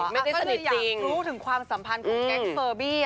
ไม่ได้สนิทจริงอ๋อก็เลยอยากรู้ถึงความสัมภัณฑ์ของแก๊งเฟอร์บี้